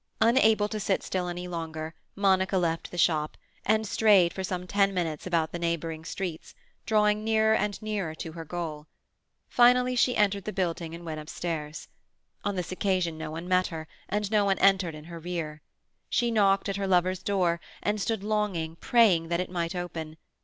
Unable to sit still any longer, Monica left the shop, and strayed for some ten minutes about the neighbouring streets, drawing nearer and nearer to her goal. Finally she entered the building and went upstairs. On this occasion no one met her, and no one entered in her rear. She knocked at her lover's door, and stood longing, praying, that it might open.